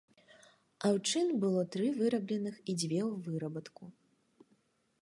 Аўчын было тры вырабленых і дзве ў вырабатку.